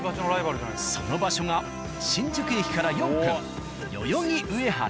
その場所が新宿駅から４分代々木上原。